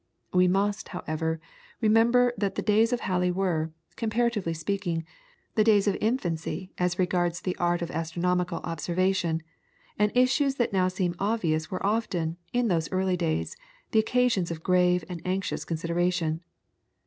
We must, however, remember that the days of Halley were, comparatively speaking, the days of infancy as regards the art of astronomical observation, and issues that now seem obvious were often, in those early times, the occasions of grave and anxious consideration.